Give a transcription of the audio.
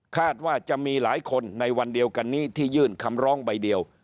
คาดว่าจะมีหลายคนในวันเดียวกันนี้ที่ยื่นคำร้องใบเดียว